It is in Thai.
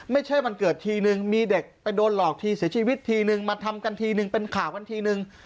ไม่ใช่วันเกิดทีนึงมีเด็กไปโดนหลอกทีเสียชีวิตทีนึงมาทำกันทีนึงเป็นข่าวกันทีนึง